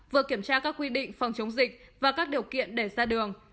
vừa kiểm tra các quy định phòng chống dịch và các điều kiện để ra đường